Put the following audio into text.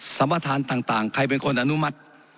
สัมประธานต่างใครเป็นคนอนุมัติ